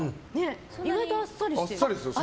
意外とあっさりしてる。